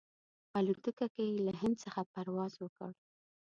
په الوتکه کې یې له هند څخه پرواز وکړ.